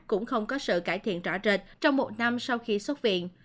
cũng không có sự cải thiện rõ rệt trong một năm sau khi xuất viện